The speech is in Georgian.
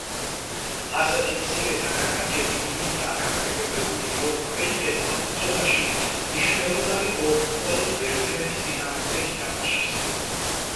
ასეთი მცირე დანაკარგები იმითაა განპირობებული, რომ ქვეითებმა ბრძოლაში მნიშვნელოვანი როლი მხოლოდ ბერძნების წინააღმდეგ ითამაშეს.